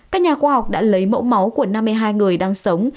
các nhà khoa học đã lấy mẫu máu của năm mươi hai người đang sống